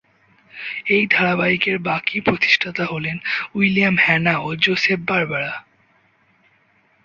এই ধারাবাহিকের প্রধান প্রতিষ্ঠাতা হলেন উইলিয়াম হ্যানা ও জোসেফ বারবারা।